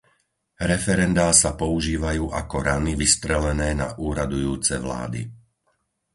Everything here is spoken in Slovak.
Referendá sa používajú ako rany vystrelené na úradujúce vlády.